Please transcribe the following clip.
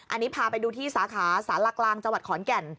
อันนี้พาไปดูที่สาขาสารกลางจังหวัดขอนแก่น